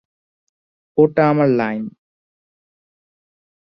ওটা আমার লাইন!